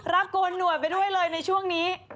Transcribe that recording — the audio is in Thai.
โกนหน่วยไปด้วยเลยในช่วงนี้